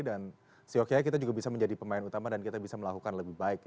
dan sih okey kita juga bisa menjadi pemain utama dan kita bisa melakukan lebih baik